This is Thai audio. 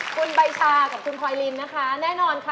คุณใบชากับคุณพลอยลินนะคะแน่นอนค่ะ